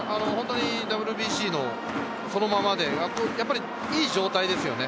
ＷＢＣそのままで、いい状態ですよね。